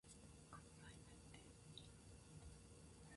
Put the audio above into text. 関西弁って良い。